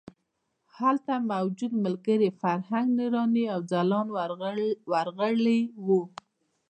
هلته موجود ملګري فرهنګ، نوراني او ځلاند ورغلي وو.